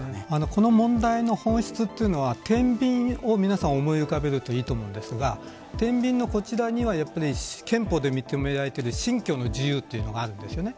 この問題の本質はてんびんを皆さん思い浮かべるといいと思うんですがてんびんのこちらには憲法で認められている信教の自由があるんですよね。